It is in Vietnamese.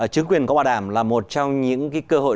trứng quyền có bà đảm là một trong những cơ hội